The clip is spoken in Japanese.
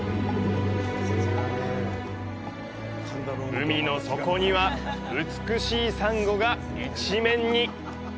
海の底には美しいサンゴが一面に。